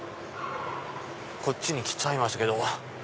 こっちに来ちゃいましたけど。